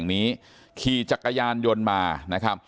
ก็คงจะขัดกรอกันน่ะไม่ค่อยขัดละ